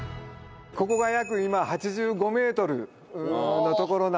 ここが今約８５メートルのところなんですね。